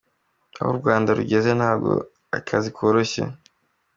Aho u Rwanda rugeze ntabwo ari akazi koroshye.